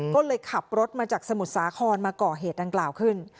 ก็เลยขับรถมาจากสมุทรสาครมาก่อเหตุดังกล่าวขึ้น